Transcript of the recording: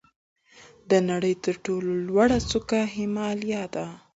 د نړۍ تر ټولو لوړه څوکه هیمالیا ده.